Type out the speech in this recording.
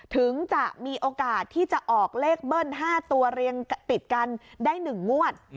ถึงจะมีโอกาสที่จะออกเลขเบิ้ล๕ตัวเรียงติดกันได้๑งวด